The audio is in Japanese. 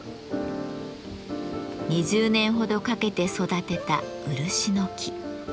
２０年ほどかけて育てた漆の木。